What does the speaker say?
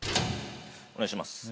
お願いします。